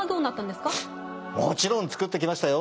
もちろん作ってきましたよ！